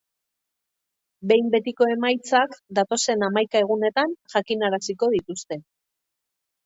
Behin betiko emaitzak datozen hamaika egunetan jakinaraziko dituzte.